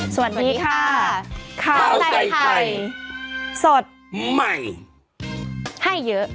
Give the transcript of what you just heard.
สวัสดีค่ะข้าวใส่ไข่สดใหม่ให้เยอะ